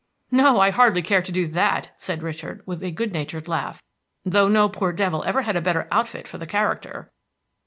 "No, I hardly care to do that," said Richard, with a good natured laugh, "though no poor devil ever had a better outfit for the character."